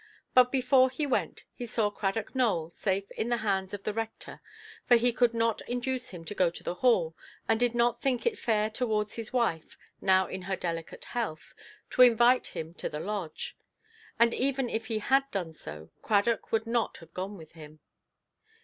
But before he went, he saw Cradock Nowell safe in the hands of the rector, for he could not induce him to go to the Hall, and did not think it fair towards his wife, now in her delicate health, to invite him to the Lodge. And even if he had done so, Cradock would not have gone with him.